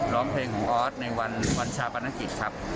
ร้องเพลงของออสในวันชาปนกิจครับ